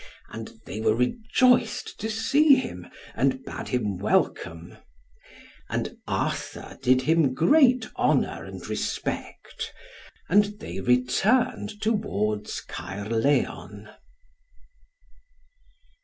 And they were rejoiced to see him, and bade him welcome. And Arthur did him great honour and respect, and they returned towards Caerlleon.